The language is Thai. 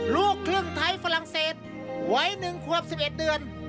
ลูกครึ่งไทยฝรั่งเศสไว้หนึ่งควบสิบเอ็ดเดือน